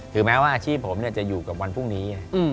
แม้ว่าอาชีพผมจะอยู่กับวันพรุ่งนี้